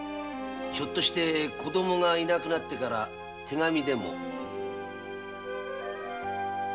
ひょっとして子供がいなくなってから手紙でも？